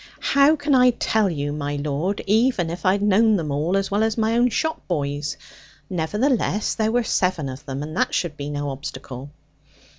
'How can I tell you, my lord, even if I had known them all as well as my own shop boys? Nevertheless there were seven of them, and that should be no obstacle.'